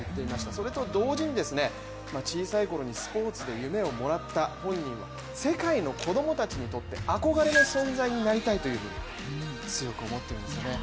それと同時に、小さい頃にスポーツで夢をもらった本人は、世界の子供たちに憧れの存在になりたいと強く思っていますよね。